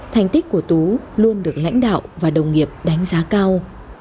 thành tích của tú luôn được lãnh đạo và đồng nghiệp đánh giá cao